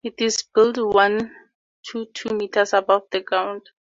It is built one to two metres above the ground.